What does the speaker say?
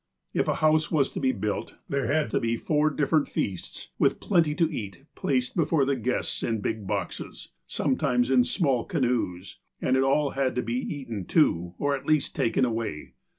If a house was to be built, there had to be four differ ent feasts, with plenty to eat, placed before the guests in big boxes, sometimes in small canoes, and it all had to be eaten, too, or, at least, taken away.